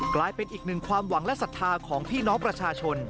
กลายเป็นอีกหนึ่งความหวังและศรัทธาของพี่น้องประชาชน